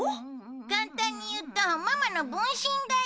簡単に言うとママの分身だよ。